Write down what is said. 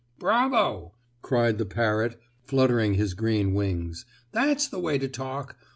"Bravo!" cried the parrot, fluttering his green wings. "That's the way to talk.